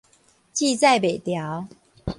接載袂牢